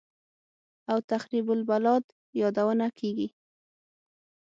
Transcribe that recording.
او «تخریب البلاد» یادونه کېږي